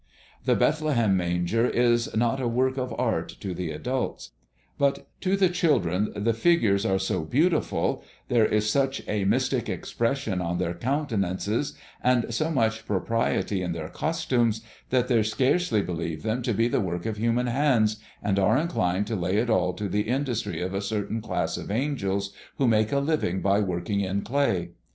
The Bethlehem manger is not a work of art to the adults; but to the children the figures are so beautiful, there is such a mystic expression on their countenances and so much propriety in their costumes, that they scarcely believe them to be the work of human hands, and are inclined to lay it all to the industry of a certain class of angels who make a living by working in clay.